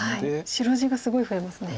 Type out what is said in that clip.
白地がすごい増えますね。